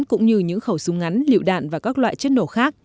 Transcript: cũng như những khẩu súng ngắn lựu đạn và các loại chất nổ khác